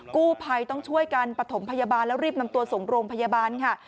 กู้ภัยต้องช่วยกันปฐมพยาบาลแล้วรีบนำตัวส่งโรงพยาบาลค่ะ